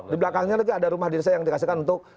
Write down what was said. di belakangnya lagi ada rumah dinasnya yang dikasihkan untuk